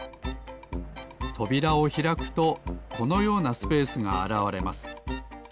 とびらをひらくとこのようなスペースがあらわれます。